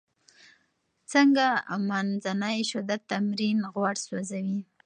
څنګه منځنی شدت تمرین غوړ سوځوي؟